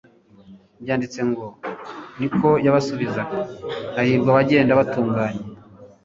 Byanditswe ngo, niko yabasubizaga, “Hahirwa abagenda batunganye,